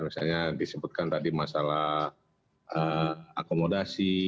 misalnya disebutkan tadi masalah akomodasi